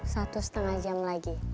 satu setengah jam lagi